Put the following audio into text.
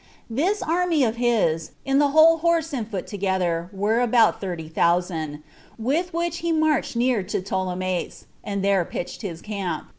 This army of his, in the whole horse and foot together, were about thirty thousand, with which he marched near to Ptolemais, and there pitched his camp.